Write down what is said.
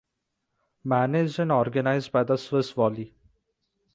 Managed and organized by the Swiss Volley.